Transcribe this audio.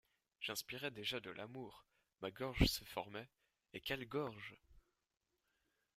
J’inspirais déjà de l’amour, ma gorge se formait, et quelle gorge!